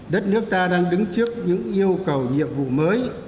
đất nước ta đang đứng trước những yêu cầu nhiệm vụ mới